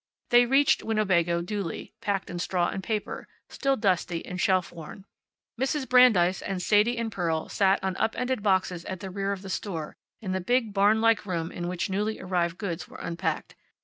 They reached Winnebago duly, packed in straw and paper, still dusty and shelf worn. Mrs. Brandeis and Sadie and Pearl sat on up ended boxes at the rear of the store, in the big barn like room in which newly arrived goods were unpacked.